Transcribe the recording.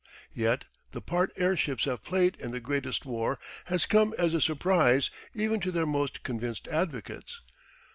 Yet the part airships have played in the Greatest War has come as a surprise even to their most convinced advocates.